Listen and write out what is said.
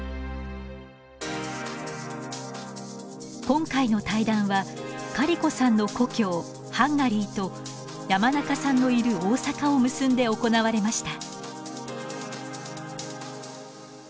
今回の対談はカリコさんの故郷ハンガリーと山中さんのいる大阪を結んで行われました。